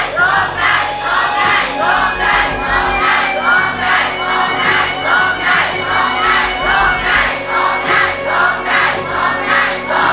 ร้องได้ร้องได้ร้องได้ร้องได้